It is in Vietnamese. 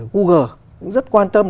google cũng rất quan tâm